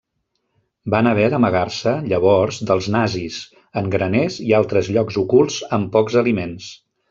Van haver d'amagar-se llavors dels nazis, en graners i altres llocs ocults amb pocs aliments.